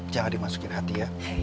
jangan dimasukin hati ya